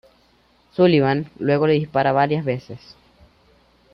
Sullivan luego le dispara varias veces.